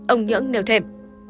ông nhưỡng nêu thêm